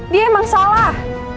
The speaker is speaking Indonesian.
dia emang salah